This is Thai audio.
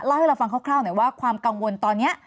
ให้เราฟังคร่าวหน่อยว่าความกังวลตอนนี้